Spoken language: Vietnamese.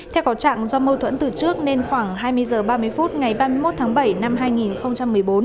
theo có trạng do mâu thuẫn từ trước nên khoảng hai mươi h ba mươi phút ngày ba mươi một tháng bảy năm hai nghìn một mươi bốn